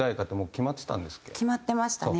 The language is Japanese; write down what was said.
決まってましたね。